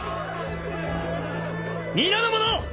皆の者！